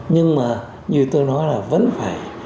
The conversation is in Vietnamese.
nhưng mà như tôi nói là vẫn phải